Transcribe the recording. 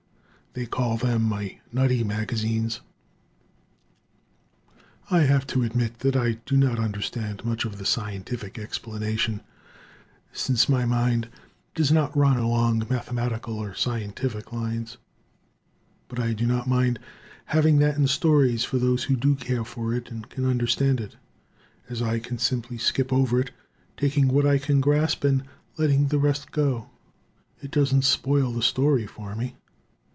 They call them my "nutty magazines." I have to admit that I do not understand much of the scientific explanation, since my mind does not run along mathematical or scientific lines, but I do not mind having that in stories, for those who do care for it and can understand it, as I can simply skip over it, taking what I can grasp and letting the rest go. It doesn't spoil the story for me.